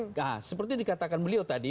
enggak seperti dikatakan beliau tadi